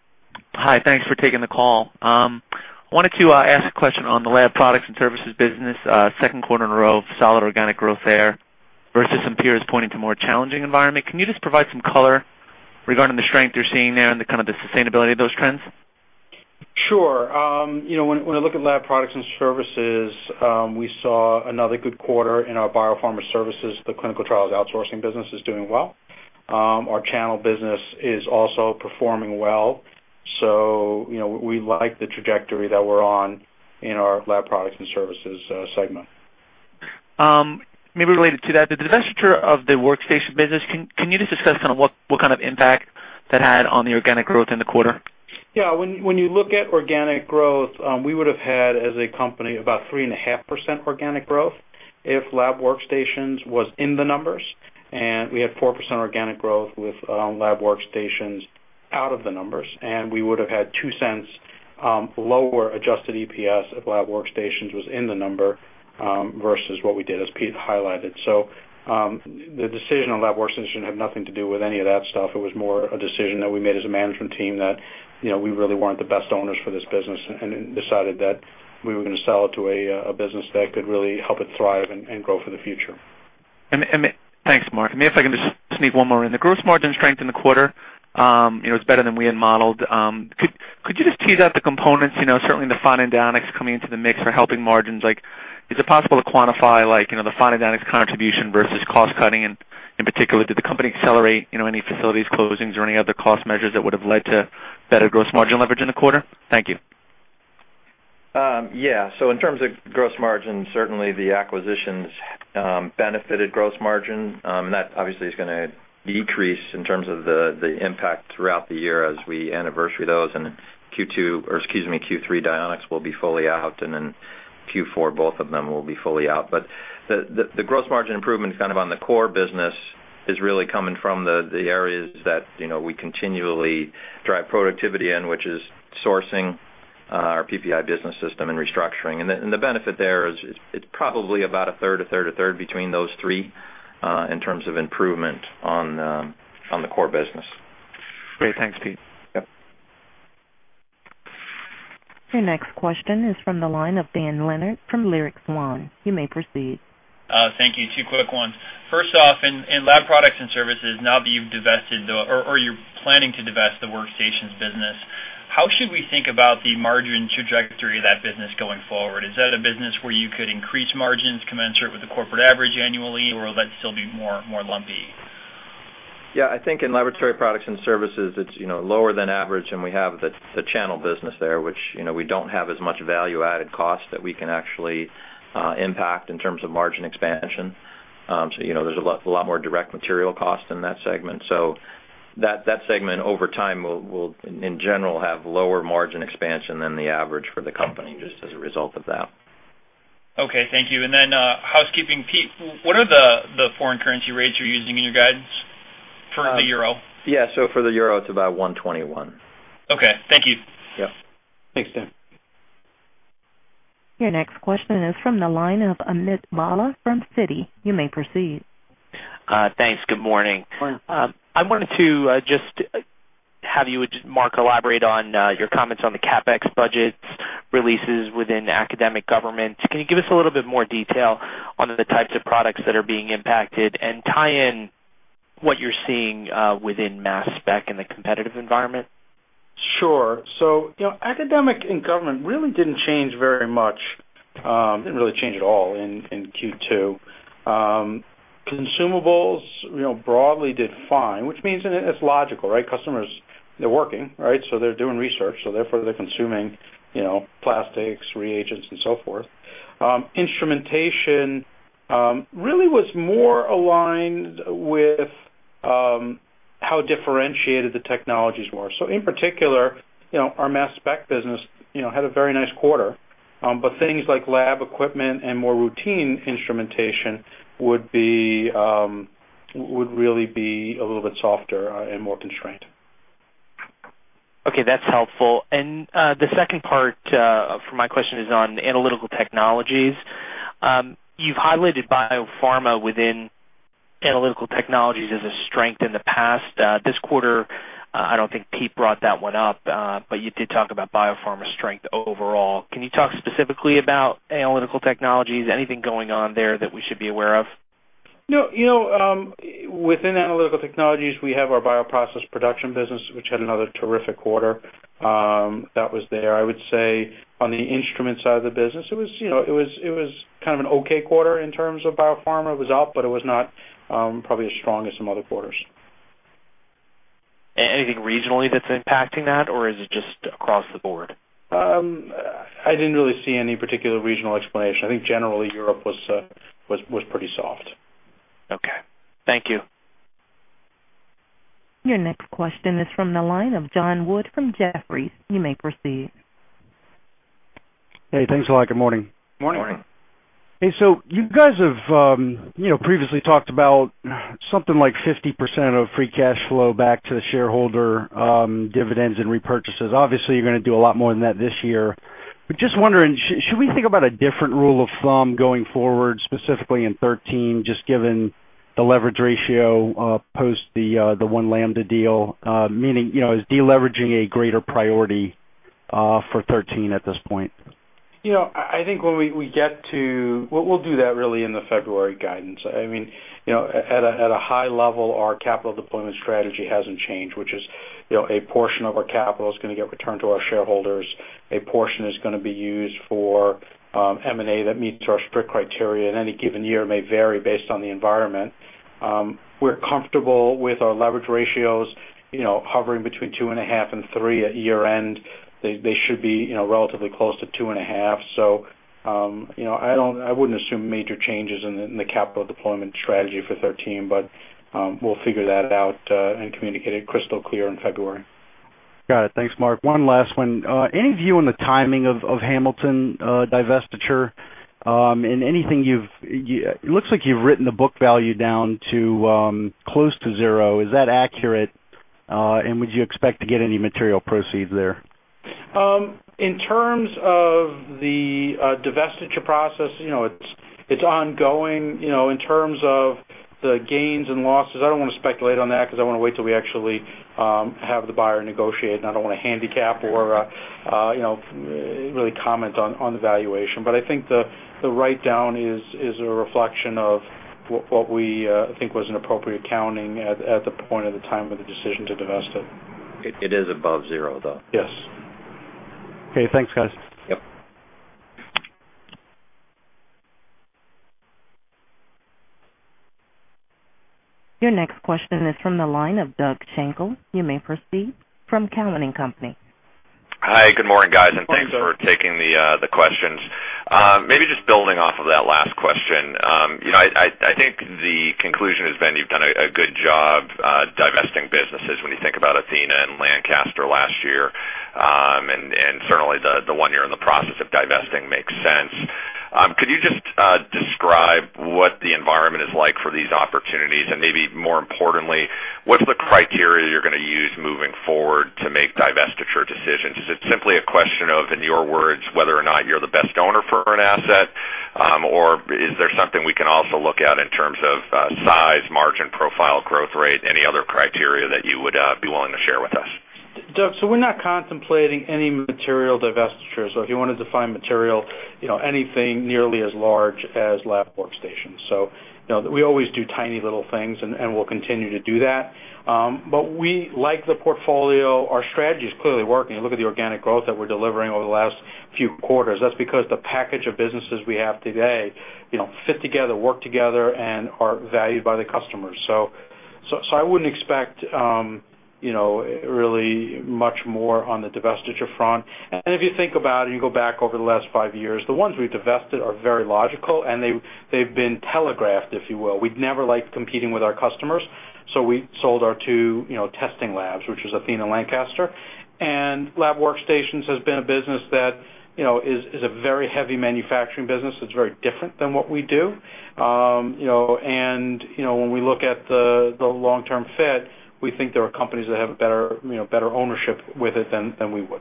Hi. Thanks for taking the call. I wanted to ask a question on the Laboratory Products and Services business. Second quarter in a row of solid organic growth there versus some peers pointing to a more challenging environment. Can you just provide some color regarding the strength you're seeing there and the sustainability of those trends? Sure. When I look at Laboratory Products and Services, we saw another good quarter in our biopharma services. The clinical trials outsourcing business is doing well. Our channel business is also performing well. We like the trajectory that we're on in our Laboratory Products and Services segment. Maybe related to that, the divestiture of the workstation business, can you just discuss what kind of impact that had on the organic growth in the quarter? When you look at organic growth, we would have had as a company about 3.5% organic growth if lab workstations was in the numbers. We had 4% organic growth with lab workstations out of the numbers. We would have had $0.02 lower adjusted EPS if lab workstations was in the number versus what we did, as Pete Wilver highlighted. The decision on lab workstations had nothing to do with any of that stuff. It was more a decision that we made as a management team that we really weren't the best owners for this business and decided that we were going to sell it to a business that could really help it thrive and grow for the future. Thanks, Marc. Maybe if I can just sneak one more in. The gross margin strength in the quarter, it's better than we had modeled. Could you just tease out the components, certainly the Phadia and Dionex coming into the mix are helping margins. Is it possible to quantify the Phadia and Dionex contribution versus cost-cutting? In particular, did the company accelerate any facilities closings or any other cost measures that would have led to better gross margin leverage in the quarter? Thank you. In terms of gross margin, certainly the acquisitions benefited gross margin. That obviously is going to decrease in terms of the impact throughout the year as we anniversary those and Q2, or excuse me, Q3, Dionex will be fully out, and then Q4, both of them will be fully out. The gross margin improvement on the core business is really coming from the areas that we continually drive productivity in, which is sourcing our PPI business system and restructuring. The benefit there is it's probably about a third, a third, a third between those three in terms of improvement on the core business. Great. Thanks, Pete. Yep. Your next question is from the line of Dan Leonard from Leerink Swann. You may proceed. Thank you. Two quick ones. First off, in Laboratory Products and Services, now that you've divested or you're planning to divest the workstations business, how should we think about the margin trajectory of that business going forward? Is that a business where you could increase margins commensurate with the corporate average annually, or will that still be more lumpy? Yeah. I think in Laboratory Products and Services, it's lower than average, and we have the channel business there, which we don't have as much value-added cost that we can actually impact in terms of margin expansion. There's a lot more direct material cost in that segment. That segment over time will, in general, have lower margin expansion than the average for the company just as a result of that. Okay. Thank you. Housekeeping, Pete, what are the foreign currency rates you're using in your guidance for the euro? Yeah. For the euro, it's about 121. Okay. Thank you. Yeah. Thanks, Dan. Your next question is from the line of Amit Bhalla from Citi. You may proceed. Thanks. Good morning. Good morning. I wanted to just have you, Marc, elaborate on your comments on the CapEx budgets releases within academic government. Can you give us a little bit more detail on the types of products that are being impacted and tie in what you're seeing within mass spec and the competitive environment? Sure. Academic and government really didn't change very much. Didn't really change at all in Q2. Consumables broadly did fine, which means it's logical, right? Customers, they're working, right? They're doing research, so therefore, they're consuming plastics, reagents, and so forth. Instrumentation really was more aligned with how differentiated the technologies were. In particular, our mass spec business had a very nice quarter. Things like lab equipment and more routine instrumentation would really be a little bit softer and more constrained. Okay. That's helpful. The second part for my question is on Analytical Technologies. You've highlighted biopharma within Analytical Technologies as a strength in the past. This quarter, I don't think Pete brought that one up, but you did talk about biopharma strength overall. Can you talk specifically about Analytical Technologies? Anything going on there that we should be aware of? Within Analytical Technologies, we have our bioprocess production business, which had another terrific quarter that was there. I would say on the instrument side of the business, it was kind of an okay quarter in terms of biopharma. It was up, but it was not probably as strong as some other quarters. Anything regionally that's impacting that, or is it just across the board? I didn't really see any particular regional explanation. I think generally Europe was pretty soft. Okay. Thank you. Your next question is from the line of Jon Wood from Jefferies. You may proceed. Hey, thanks a lot. Good morning. Morning. Morning. Hey, you guys have previously talked about something like 50% of free cash flow back to the shareholder dividends and repurchases. Obviously, you're going to do a lot more than that this year. Just wondering, should we think about a different rule of thumb going forward, specifically in 2013, just given the leverage ratio, post the One Lambda deal? Meaning, is deleveraging a greater priority for 2013 at this point? I think we'll do that really in the February guidance. At a high level, our capital deployment strategy hasn't changed, which is, a portion of our capital is going to get returned to our shareholders. A portion is going to be used for M&A that meets our strict criteria in any given year. It may vary based on the environment. We're comfortable with our leverage ratios hovering between 2.5 and 3 at year-end. They should be relatively close to 2.5. I wouldn't assume major changes in the capital deployment strategy for 2013. We'll figure that out, and communicate it crystal clear in February. Got it. Thanks, Marc. One last one. Any view on the timing of Hamilton divestiture? It looks like you've written the book value down to close to 0. Is that accurate? Would you expect to get any material proceeds there? In terms of the divestiture process, it's ongoing. In terms of the gains and losses, I don't want to speculate on that because I want to wait till we actually have the buyer negotiate, and I don't want to handicap or really comment on the valuation. I think the write-down is a reflection of what we think was an appropriate accounting at the point of the time of the decision to divest it. It is above zero, though. Yes. Okay. Thanks, guys. Yep. Your next question is from the line of Doug Schenkel. You may proceed, from Cowen and Company. Hi, good morning, guys. Thanks for taking the questions. Maybe just building off of that last question. I think the conclusion has been you've done a good job divesting businesses when you think about Athena Diagnostics and Lancaster Laboratories last year. Certainly the one you're in the process of divesting makes sense. Could you just describe what the environment is like for these opportunities? Maybe more importantly, what's the criteria you're going to use moving forward to make divestiture decisions? Is it simply a question of, in your words, whether or not you're the best owner for an asset? Is there something we can also look at in terms of size, margin profile, growth rate, any other criteria that you would be willing to share with us? Doug, we're not contemplating any material divestitures. If you wanted to find material, anything nearly as large as lab workstations. We always do tiny little things, and we'll continue to do that. We like the portfolio. Our strategy is clearly working. Look at the organic growth that we're delivering over the last few quarters. That's because the package of businesses we have today fit together, work together, and are valued by the customers. I wouldn't expect really much more on the divestiture front. If you think about it, and you go back over the last five years, the ones we've divested are very logical, and they've been telegraphed, if you will. We've never liked competing with our customers. We sold our two testing labs, which was Athena and Lancaster. Lab workstations has been a business that is a very heavy manufacturing business. It's very different than what we do. When we look at the long-term fit, we think there are companies that have better ownership with it than we would.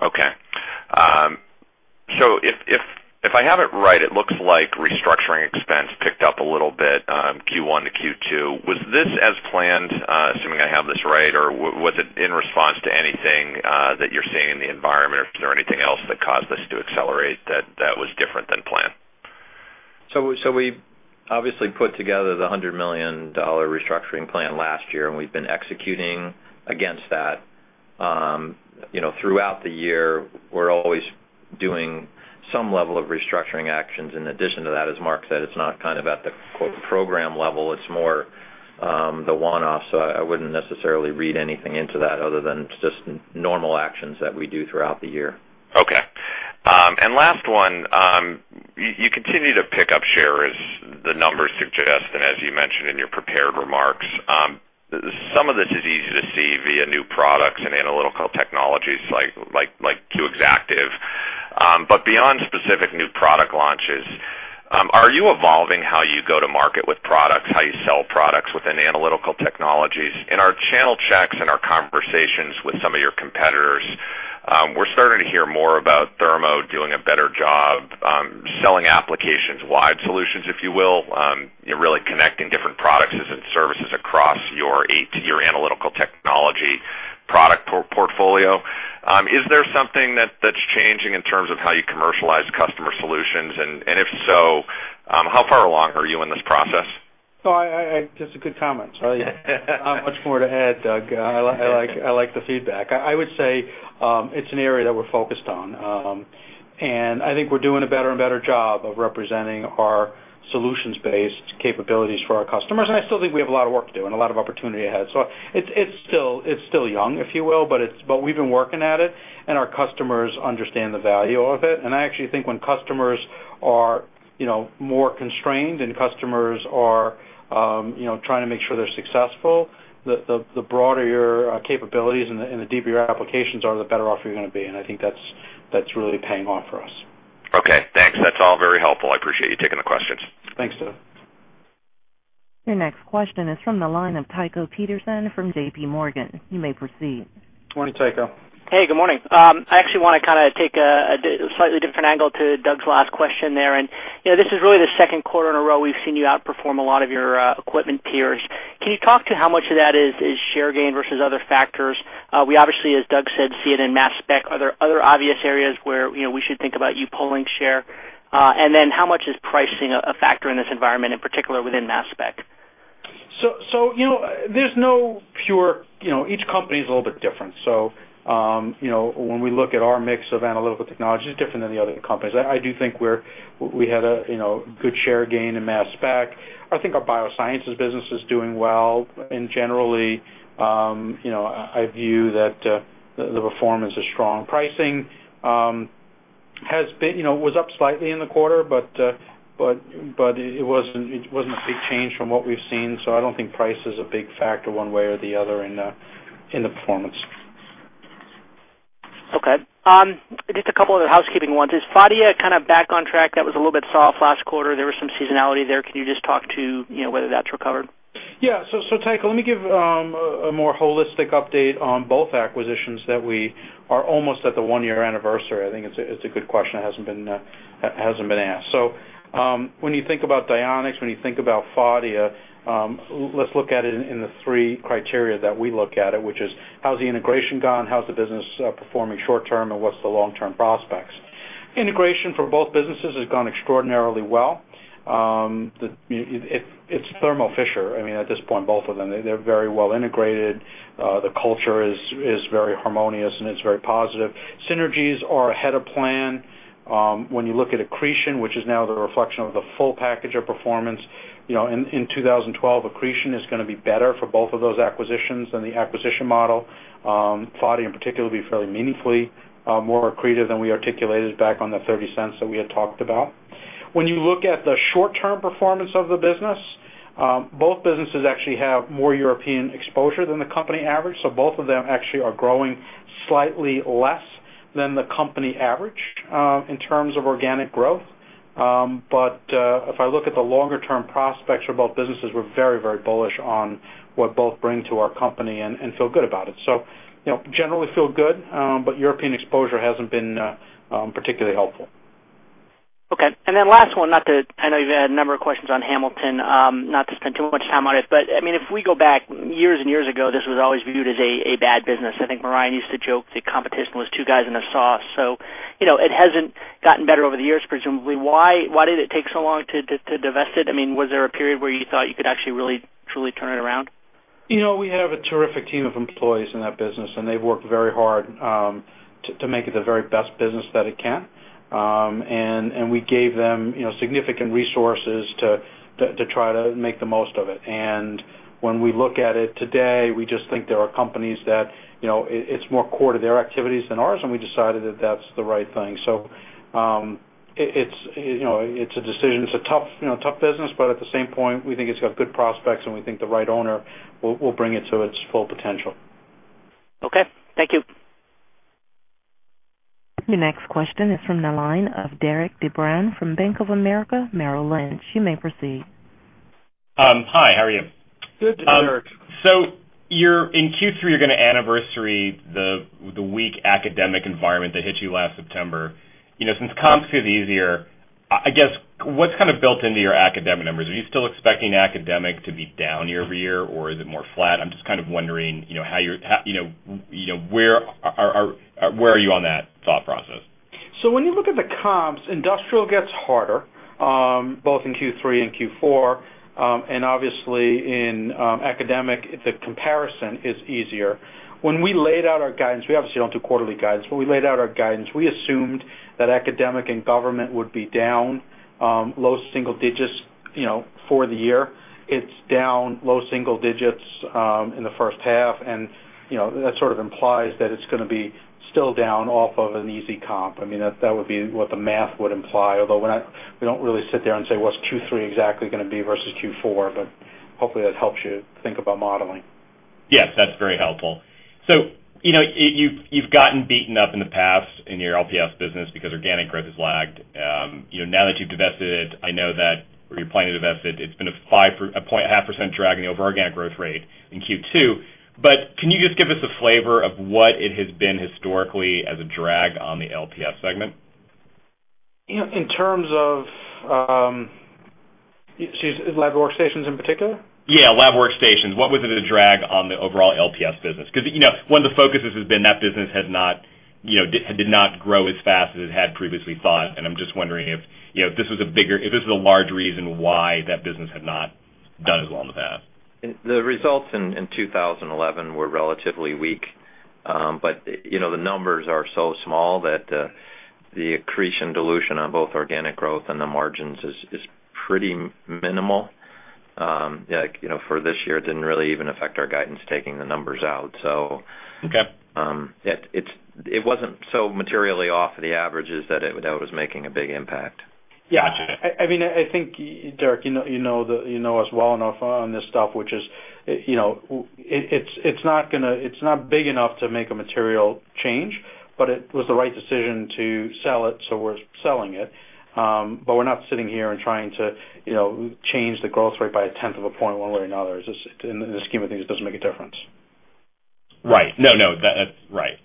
Okay. If I have it right, it looks like restructuring expense picked up a little bit, Q1 to Q2. Was this as planned, assuming I have this right, or was it in response to anything that you're seeing in the environment, or is there anything else that caused this to accelerate that was different than planned? We obviously put together the $100 million restructuring plan last year, and we've been executing against that. Throughout the year, we're always doing some level of restructuring actions. In addition to that, as Marc said, it's not at the, quote, "program level." It's more the one-offs. I wouldn't necessarily read anything into that other than just normal actions that we do throughout the year. Last one. You continue to pick up shares, the numbers suggest, and as you mentioned in your prepared remarks. Some of this is easy to see via new products and Analytical Technologies like Q Exactive. Beyond specific new product launches, are you evolving how you go to market with products, how you sell products within Analytical Technologies? In our channel checks and our conversations with some of your competitors, we're starting to hear more about Thermo doing a better job selling applications, wide solutions, if you will, really connecting different products and services across your Analytical Technologies product portfolio. Is there something that's changing in terms of how you commercialize customer solutions? If so How far along are you in this process? Well, just good comments, right? Not much more to add, Doug. I like the feedback. I would say it's an area that we're focused on. I think we're doing a better and better job of representing our solutions-based capabilities for our customers. I still think we have a lot of work to do and a lot of opportunity ahead. It's still young, if you will, but we've been working at it, and our customers understand the value of it. I actually think when customers are more constrained and customers are trying to make sure they're successful, the broader your capabilities and the deeper your applications are, the better off you're going to be. I think that's really paying off for us. Okay, thanks. That's all very helpful. I appreciate you taking the questions. Thanks, Doug. Your next question is from the line of Tycho Peterson from J.P. Morgan. You may proceed. Morning, Tycho. Hey, good morning. I actually want to take a slightly different angle to Doug's last question there. This is really the second quarter in a row we've seen you outperform a lot of your equipment peers. Can you talk to how much of that is share gain versus other factors? We obviously, as Doug said, see it in mass spec. Are there other obvious areas where we should think about you pulling share? And then how much is pricing a factor in this environment, in particular within mass spec? Each company is a little bit different. When we look at our mix of analytical technology, it's different than the other companies. I do think we had a good share gain in mass spec. I think our biosciences business is doing well. Generally, I view that the performance is strong. Pricing was up slightly in the quarter, but it wasn't a big change from what we've seen. I don't think price is a big factor one way or the other in the performance. Okay. Just a couple other housekeeping ones. Is Phadia kind of back on track? That was a little bit soft last quarter. There was some seasonality there. Can you just talk to whether that's recovered? Yeah. Tycho, let me give a more holistic update on both acquisitions that we are almost at the one-year anniversary. I think it's a good question that hasn't been asked. When you think about Dionex, when you think about Phadia, let's look at it in the three criteria that we look at it, which is how's the integration gone, how's the business performing short term, and what's the long-term prospects. Integration for both businesses has gone extraordinarily well. It's Thermo Fisher. I mean, at this point, both of them, they're very well integrated. The culture is very harmonious, and it's very positive. Synergies are ahead of plan. When you look at accretion, which is now the reflection of the full package of performance, in 2012, accretion is going to be better for both of those acquisitions than the acquisition model. Phadia, in particular, will be fairly meaningfully more accretive than we articulated back on the $0.30 that we had talked about. When you look at the short-term performance of the business, both businesses actually have more European exposure than the company average, both of them actually are growing slightly less than the company average in terms of organic growth. If I look at the longer-term prospects for both businesses, we're very bullish on what both bring to our company and feel good about it. Generally feel good, but European exposure hasn't been particularly helpful. Okay. Last one, I know you've had a number of questions on Hamilton, not to spend too much time on it, but if we go back years and years ago, this was always viewed as a bad business. I think Marijn used to joke the competition was two guys and a saw. It hasn't gotten better over the years, presumably. Why did it take so long to divest it? Was there a period where you thought you could actually really, truly turn it around? We have a terrific team of employees in that business. They've worked very hard to make it the very best business that it can. We gave them significant resources to try to make the most of it. When we look at it today, we just think there are companies that it's more core to their activities than ours, and we decided that that's the right thing. It's a decision. It's a tough business, but at the same point, we think it's got good prospects, and we think the right owner will bring it to its full potential. Okay. Thank you. Your next question is from the line of Derik de Bruin from Bank of America Merrill Lynch. You may proceed. Hi, how are you? Good, Derik. In Q3, you're going to anniversary the weak academic environment that hit you last September. Since comps get easier, I guess, what's kind of built into your academic numbers? Are you still expecting academic to be down year-over-year, or is it more flat? I'm just kind of wondering where are you on that thought process? When you look at the comps, industrial gets harder, both in Q3 and Q4. Obviously, in academic, the comparison is easier. When we laid out our guidance, we obviously don't do quarterly guidance, when we laid out our guidance, we assumed that academic and government would be down low single digits for the year. It's down low single digits in the first half, and that sort of implies that it's going to be still down off of an easy comp. That would be what the math would imply, although we don't really sit there and say what's Q3 exactly going to be versus Q4, but hopefully that helps you think about modeling. Yes, that's very helpful. You've gotten beaten up in the past in your LPS business because organic growth has lagged. Now that you've divested it, I know that where you're planning to divest it's been a 0.5% drag in the over organic growth rate in Q2. Can you just give us a flavor of what it has been historically as a drag on the LPS segment? Excuse me, lab workstations in particular? Lab workstations. What was it a drag on the overall LPS business? One of the focuses has been that business did not grow as fast as it had previously thought, and I'm just wondering if this was a large reason why that business had not done as well in the past. The results in 2011 were relatively weak. The numbers are so small that the accretion dilution on both organic growth and the margins is pretty minimal. For this year, it didn't really even affect our guidance, taking the numbers out. Okay. It wasn't so materially off the averages that it was making a big impact. Gotcha. Yeah. I think, Derik, you know us well enough on this stuff, which is, it's not big enough to make a material change, but it was the right decision to sell it, so we're selling it. We're not sitting here and trying to change the growth rate by a tenth of a point one way or another. In the scheme of things, it doesn't make a difference. Right. No, that's right.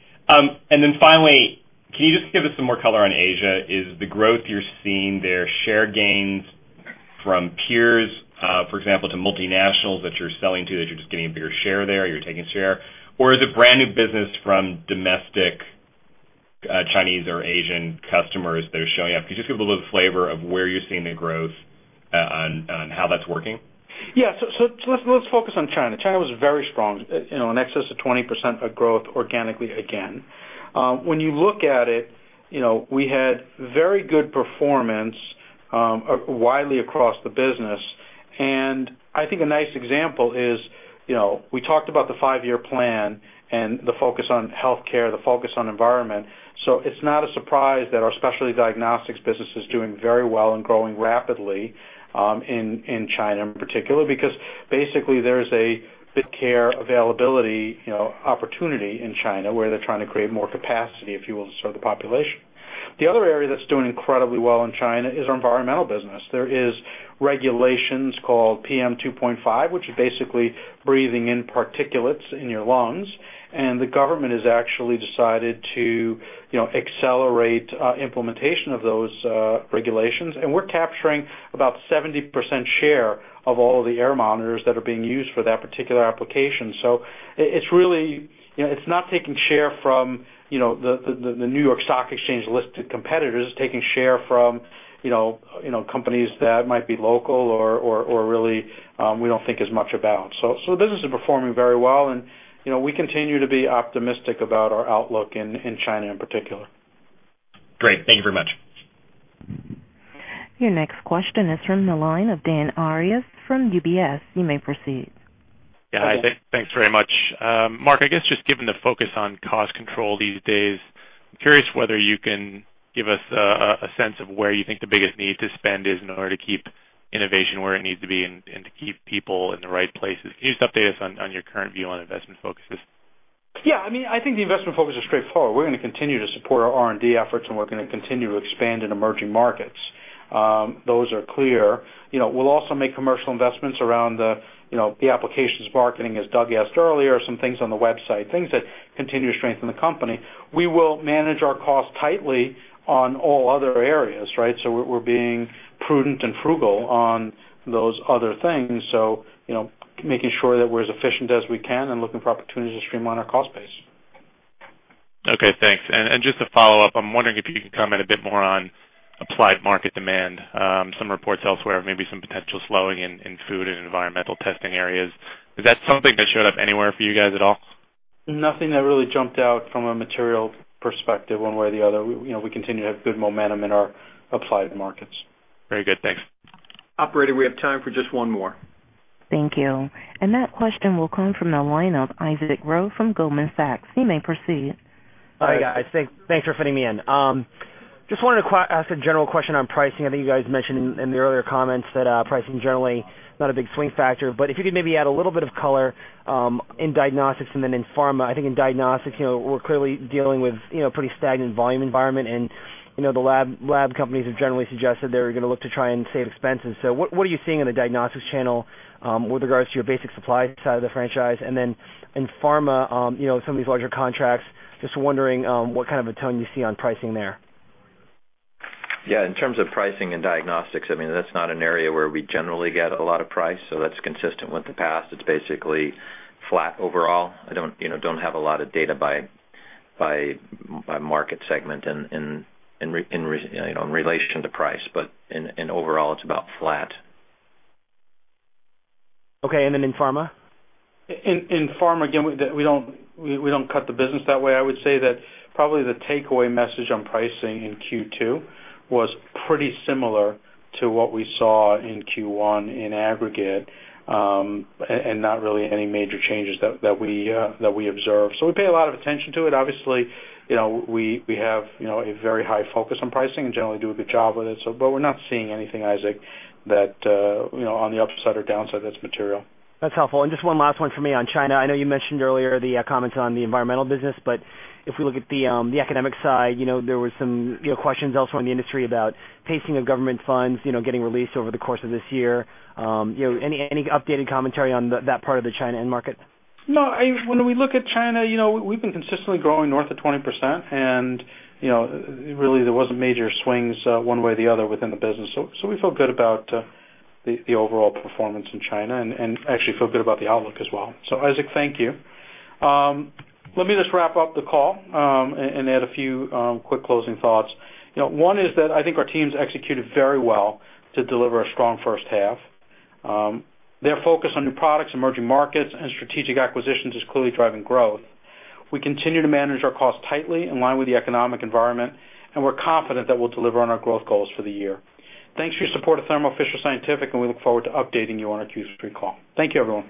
Finally, can you just give us some more color on Asia? Is the growth you're seeing there share gains from peers, for example, to multinationals that you're selling to, that you're just gaining a bigger share there, you're taking share? Or is it brand new business from domestic Chinese or Asian customers that are showing up? Can you just give a little flavor of where you're seeing the growth and how that's working? Yeah. Let's focus on China. China was very strong, in excess of 20% of growth organically, again. When you look at it, we had very good performance widely across the business. I think a nice example is, we talked about the five-year plan and the focus on healthcare, the focus on environment. It's not a surprise that our Specialty Diagnostics business is doing very well and growing rapidly in China in particular, because basically there is a better care availability opportunity in China where they're trying to create more capacity, if you will, to serve the population. The other area that's doing incredibly well in China is our environmental business. There is regulations called PM 2.5, which is basically breathing in particulates in your lungs, the government has actually decided to accelerate implementation of those regulations. We're capturing about 70% share of all of the air monitors that are being used for that particular application. It's not taking share from the New York Stock Exchange listed competitors. It's taking share from companies that might be local or really we don't think as much about. The business is performing very well, and we continue to be optimistic about our outlook in China in particular. Great. Thank you very much. Your next question is from the line of Dan Arias from UBS. You may proceed. Thanks very much. Marc, I guess just given the focus on cost control these days, I'm curious whether you can give us a sense of where you think the biggest need to spend is in order to keep innovation where it needs to be and to keep people in the right places. Can you just update us on your current view on investment focuses? I think the investment focus is straightforward. We're going to continue to support our R&D efforts, we're going to continue to expand in emerging markets. Those are clear. We'll also make commercial investments around the applications marketing, as Doug asked earlier, some things on the website, things that continue to strengthen the company. We will manage our cost tightly on all other areas, right? We're being prudent and frugal on those other things. Making sure that we're as efficient as we can and looking for opportunities to streamline our cost base. Okay, thanks. Just to follow up, I'm wondering if you could comment a bit more on applied market demand. Some reports elsewhere of maybe some potential slowing in food and environmental testing areas. Is that something that showed up anywhere for you guys at all? Nothing that really jumped out from a material perspective one way or the other. We continue to have good momentum in our applied markets. Very good. Thanks. Operator, we have time for just one more. Thank you. That question will come from the line of Isaac Ro from Goldman Sachs. You may proceed. Hi, guys. Thanks for fitting me in. Just wanted to ask a general question on pricing. I know you guys mentioned in the earlier comments that pricing generally not a big swing factor. If you could maybe add a little bit of color in diagnostics and then in pharma. I think in diagnostics, we're clearly dealing with pretty stagnant volume environment, and the lab companies have generally suggested they're going to look to try and save expenses. What are you seeing in the diagnostics channel with regards to your basic supply side of the franchise? In pharma, some of these larger contracts, just wondering what kind of a tone you see on pricing there. Yeah. In terms of pricing and diagnostics, that's not an area where we generally get a lot of price, so that's consistent with the past. It's basically flat overall. I don't have a lot of data by market segment in relation to price. In overall, it's about flat. Okay. In pharma? In pharma, again, we don't cut the business that way. I would say that probably the takeaway message on pricing in Q2 was pretty similar to what we saw in Q1 in aggregate, not really any major changes that we observed. We pay a lot of attention to it. Obviously, we have a very high focus on pricing and generally do a good job with it. We're not seeing anything, Isaac, on the upside or downside that's material. That's helpful. Just one last one for me on China. I know you mentioned earlier the comments on the environmental business, if we look at the economic side, there were some questions also in the industry about pacing of government funds getting released over the course of this year. Any updated commentary on that part of the China end market? When we look at China, we've been consistently growing north of 20%, really there wasn't major swings one way or the other within the business. We feel good about the overall performance in China actually feel good about the outlook as well. Isaac, thank you. Let me just wrap up the call and add a few quick closing thoughts. One is that I think our teams executed very well to deliver a strong first half. Their focus on new products, emerging markets, strategic acquisitions is clearly driving growth. We continue to manage our cost tightly in line with the economic environment, we're confident that we'll deliver on our growth goals for the year. Thanks for your support of Thermo Fisher Scientific, we look forward to updating you on our Q3 call. Thank you, everyone.